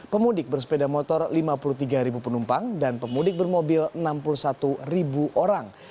pemudik bersepeda motor lima puluh tiga penumpang dan pemudik bermobil enam puluh satu orang